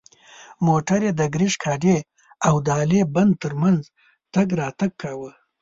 موټر یې د کرشک هډې او د هالې بند تر منځ تګ راتګ کاوه.